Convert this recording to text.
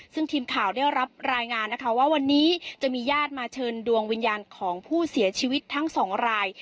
ซึ่งทีมข่าวได้รับรายงานนะคะว่าวันนี้จะมีญาติมาเชิญดวงวิญญาณของผู้เสียชีวิตทั้งสองราย